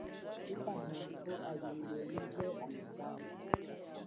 Hita muthu alinge ize anazanga.